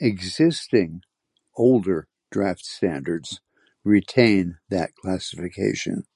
Existing older "Draft Standards" retain that classification.